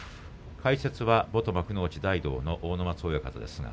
解説は元・大道の阿武松親方です。